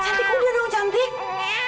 cantik kamu jalan dong cantik